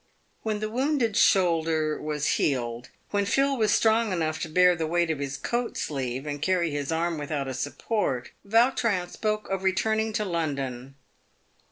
"When the wounded shoulder was healed, when Phil was strong enough to bear the weight of his coat sleeve, and carry his arm with out a support, Yautrin spoke of returning to London.